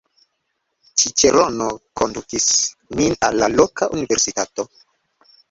Ĉiĉerono kondukis min al la loka universitato.